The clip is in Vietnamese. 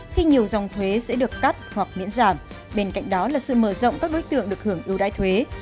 khi nhiều dòng thuế sẽ được cắt hoặc miễn giảm bên cạnh đó là sự mở rộng các đối tượng được hưởng ưu đãi thuế